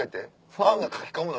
ファンが書き込むの？